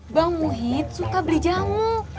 bang wahid suka beli jamu